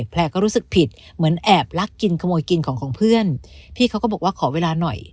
แลก็รู้สึกผิดเหมือนแอบลักกินขโมยกินของของเพื่อนพี่เขาก็บอกว่าขอเวลาหน่อย